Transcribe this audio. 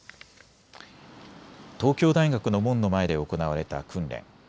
東京大学の門の前で行われた訓練。